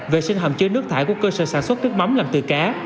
vệ sinh hầm chứa nước thải của cơ sở sản xuất nước mắm làm từ cá